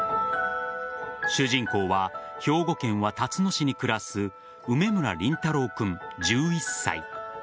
主人公は兵庫県は、たつの市に暮らす梅村凛太郎君、１１歳。